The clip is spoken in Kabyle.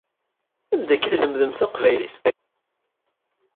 Anda akka i tlemdemt taqbaylit?